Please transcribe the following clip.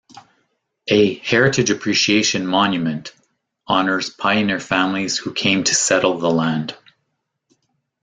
A "Heritage Appreciation Monument" honors pioneer families who came to settle the land.